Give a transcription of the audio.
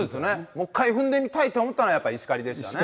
もう１回踏んでみたいって思ったのはやっぱり石狩でしたね。